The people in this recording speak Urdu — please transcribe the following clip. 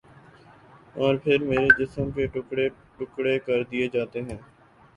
اور پھر میرے جسم کے ٹکڑے ٹکڑے کر دیے جاتے ہیں